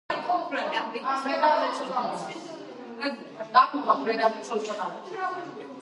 ესაზღვრება ატლანტის ოკეანეს.